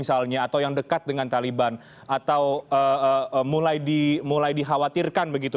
misalnya atau yang dekat dengan taliban atau mulai dikhawatirkan begitu